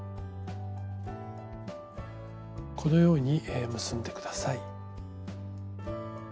このように結んで下さい。